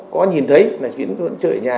có nhìn thấy là chiến vẫn chơi ở nhà